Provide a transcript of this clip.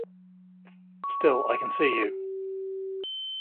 Still I can see you.